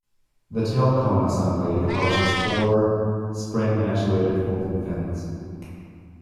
The tail cone assembly houses four, spring-actuated folding fins.